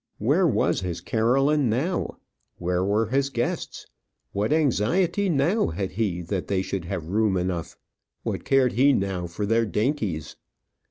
Where was his Caroline now? where were his guests? what anxiety now had he that they should have room enough? what cared he now for their dainties?